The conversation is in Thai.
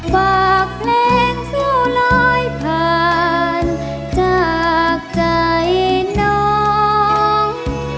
ฝากเพลงสู้ลอยผ่านจากใจน้อง